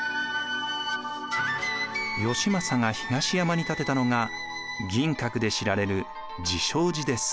義政が東山に建てたのが銀閣で知られる慈照寺です。